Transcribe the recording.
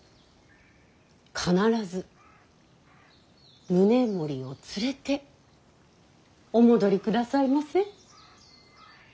必ず宗盛を連れてお戻りくださいませ。